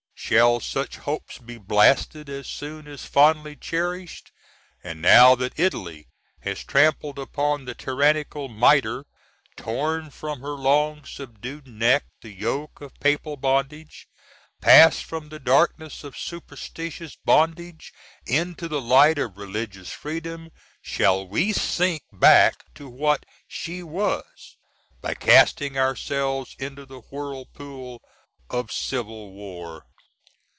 Shall such hopes be blasted as soon as fondly cherished? and now that Italy has trampled upon the tyrannical "Mitre" torn from her long subdued neck the yoke of Papal bondage passed from the darkness of superstitious bondage into the light of religious freedom, shall we sink back to what she was, by casting ourselves into the whirlpool of civil war?